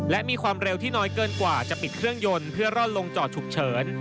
และมีความเร็วที่น้อยเกินกว่าจะปิดเครื่องยนต์เพื่อร่อนลงจอดฉุกเฉิน